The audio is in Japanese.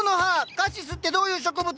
カシスってどういう植物なの？